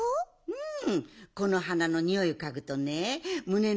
うん。